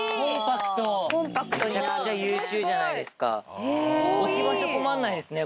めちゃくちゃ優秀じゃないですか。